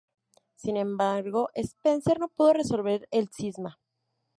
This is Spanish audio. Sin embargo, Spicer no pudo resolver el cisma.